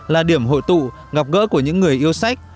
là điểm hội tụ gặp gỡ của những người yêu sách